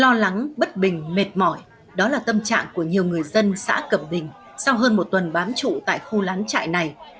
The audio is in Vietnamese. lo lắng bất bình mệt mỏi đó là tâm trạng của nhiều người dân xã cầm bình sau hơn một tuần bám trụ tại khu lán trại này